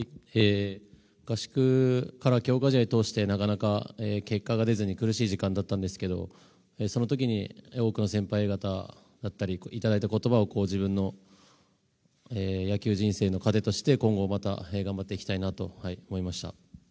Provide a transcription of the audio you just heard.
合宿から強化試合を通してなかなか結果が出ずに苦しい時間だったんですけどその時に多くの先輩方だったりいただいた言葉を自分の野球人生の糧として今後また、頑張っていきたいなと思いました。